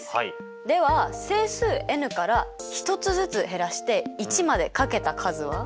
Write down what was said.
では整数ｎから１つずつ減らして１まで掛けた数は？